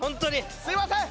すいません！